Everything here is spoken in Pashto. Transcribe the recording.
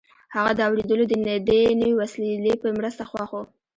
هغه د اورېدلو د دې نوې وسیلې په مرسته خوښ و